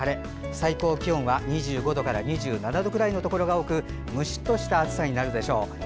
最高気温は２５度から２７度くらいのところが多くムシッとした暑さになるでしょう。